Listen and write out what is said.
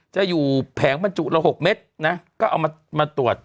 จะอยู่แผงบรรจุละ๖เม็ดนะก็เอามาตรวจ